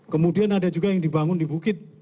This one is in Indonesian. kemudian ada juga yang dibangun di bukit